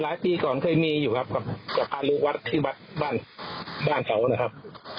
หลายปีก่อนเคยมีอยู่ครับกับพระรูปวัดที่บ้านเถานะครับ